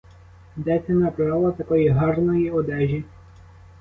Де ти набрала такої гарної одежі?